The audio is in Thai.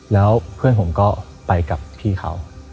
แล้วเพื่อนผมก็ไปกับพี่เขา